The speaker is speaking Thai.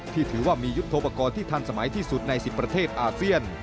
ถือว่ามียุทธโปรกรณ์ที่ทันสมัยที่สุดใน๑๐ประเทศอาเซียน